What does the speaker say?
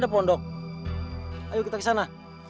tapi pasti bisa bukan bagaimana